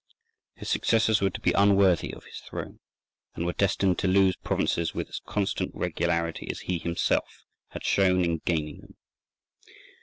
His successors were to be unworthy of his throne, and were destined to lose provinces with as constant regularity as he himself had shown in gaining them.